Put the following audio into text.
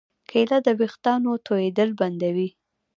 کېله د ویښتانو تویېدل بندوي.